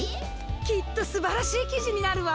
きっとすばらしいきじになるわ！